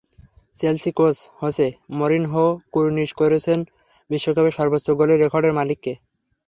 Chelsea coach Jose মরিনহোও কুর্নিশ করছেন বিশ্বকাপের সর্বোচ্চ গোলের রেকর্ডের মালিককে।